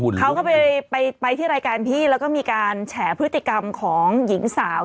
เขาก็ไปที่รายการพี่แล้วก็มีการแฉพฤติกรรมของหญิงสาว